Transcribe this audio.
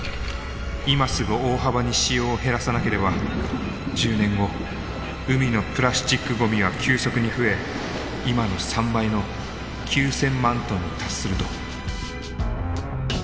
今すぐ大幅に使用を減らさなければ１０年後海のプラスチックごみは急速に増え今の３倍の９，０００万トンに達すると。